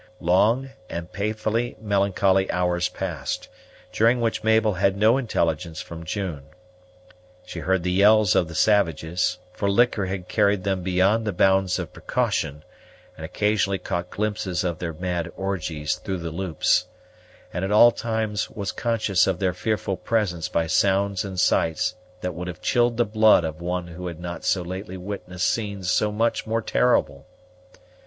Long and painfully melancholy hours passed, during which Mabel had no intelligence from June. She heard the yells of the savages, for liquor had carried them beyond the bounds of precaution; and occasionally caught glimpses of their mad orgies through the loops; and at all times was conscious of their fearful presence by sounds and sights that would have chilled the blood of one who had not so lately witnessed scenes so much more terrible.